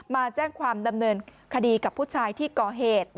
มาแจ้งความดำเนินคดีกับผู้ชายที่ก่อเหตุ